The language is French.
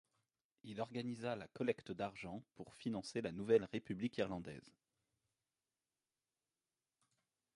Il organisa la collecte d'argent pour financer la nouvelle république irlandaise.